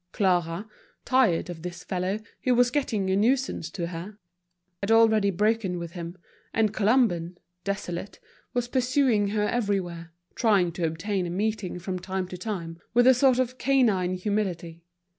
Clara, tired of this fellow, who was getting a nuisance to her, had already broken with him, and Colomban, desolated, was pursuing her everywhere, trying to obtain a meeting from time to time, with a sort of canine humility.